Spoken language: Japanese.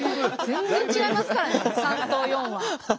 全然違いますからね３と４は。